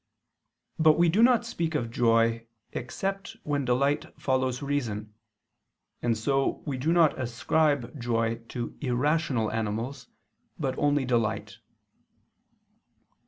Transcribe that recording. But we do not speak of joy except when delight follows reason; and so we do not ascribe joy to irrational animals, but only delight.